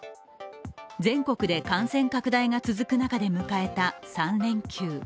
全国で感染拡大が続く中で迎えた３連休。